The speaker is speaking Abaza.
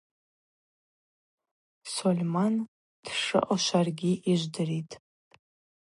Сольман дшаъу шваргьи йыжвдыритӏ.